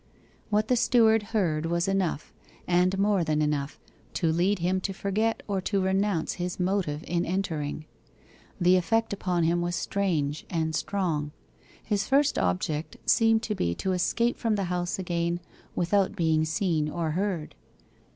What the steward heard was enough, and more than enough, to lead him to forget or to renounce his motive in entering. The effect upon him was strange and strong. His first object seemed to be to escape from the house again without being seen or heard.